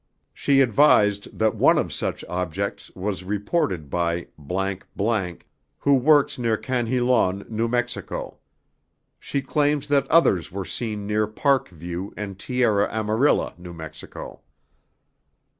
She advised that one of such objects was reported by ________ who works near Canjilon, New Mexico. She claims that others were seen near Park View and Tierra Amarilla, New Mexico.